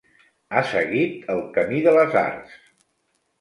Ha seguit el camí de les arts.